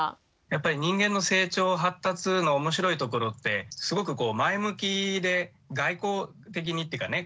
やっぱり人間の成長発達の面白いところってすごくこう前向きで外交的にっていうかね